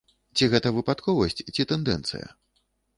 Ці гэта выпадковасць, ці тэндэнцыя?